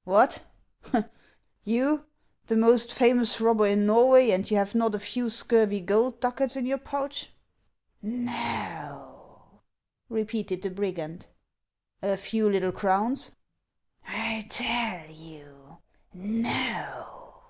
" What ! you, the most famous robber in Norway, and you have not a few scurvy gold ducats in your pouch ?"" No," repeated the brigand. " A few little crowns ?"" I tell you, no